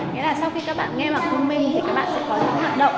nghĩa là sau khi các bạn nghe bảng thông minh thì các bạn sẽ có những hoạt động